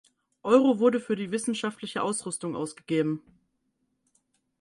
Euro wurden für die wissenschaftliche Ausrüstung ausgegeben.